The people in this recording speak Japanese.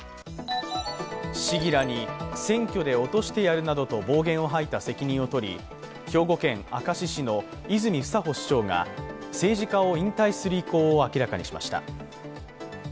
市議らに選挙で落としてやるなどと暴言を吐いた責任を取り兵庫県明石市の泉房穂市長が政治家を引退する意向を明らかにしました。